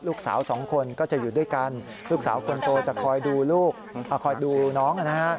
ลูกสาว๒คนก็จะอยู่ด้วยกันลูกสาวคนโตจะคอยดูน้อง